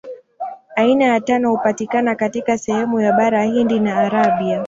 Aina ya tano hupatikana katika sehemu ya Bara Hindi na Arabia.